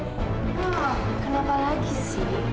hah kenapa lagi sih